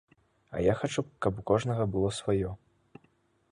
А я хачу, каб у кожнага было сваё.